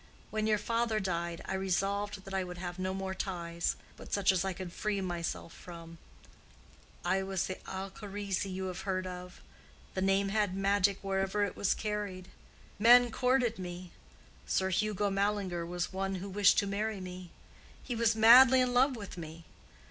When your father died I resolved that I would have no more ties, but such as I could free myself from. I was the Alcharisi you have heard of: the name had magic wherever it was carried. Men courted me. Sir Hugo Mallinger was one who wished to marry me. He was madly in love with me.